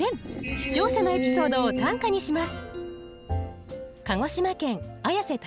視聴者のエピソードを短歌にします。